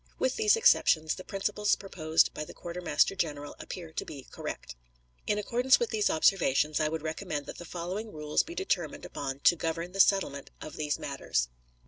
With these exceptions, the principles proposed by the quartermaster general appear to be correct. In accordance with these observations, I would recommend that the following rules be determined upon to govern the settlement of these matters: 1.